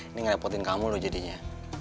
ini ngerepotin kamu lo jadinya